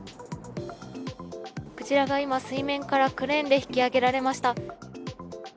クジラが今、水面からクレーンで引き揚げられました。